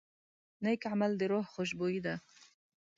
نیک عمل د روح خوشبويي ده.